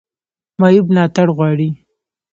معیوب ملاتړ غواړي